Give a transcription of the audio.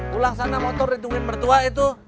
pulang sana motor ditungguin mertua itu